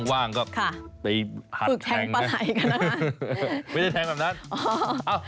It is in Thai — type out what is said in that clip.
ว่างก็ไปหัดแทงนะไม่ได้แทงแบบนั้นอ้าว